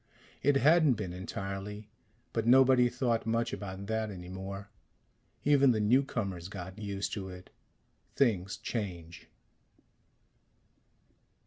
It hadn't been, entirely. But nobody thought much about that any more. Even the newcomers got used to it. Things change.